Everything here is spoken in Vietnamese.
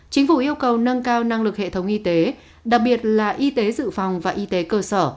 chính phủ yêu cầu nâng cao năng lực hệ thống y tế đặc biệt là y tế dự phòng và y tế cơ sở